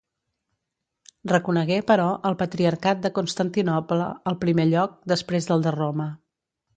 Reconegué, però, al patriarcat de Constantinoble el primer lloc després del de Roma.